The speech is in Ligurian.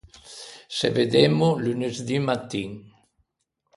Se veddemmo lunesdì mattin.